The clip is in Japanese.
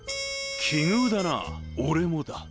奇遇だな俺もだ。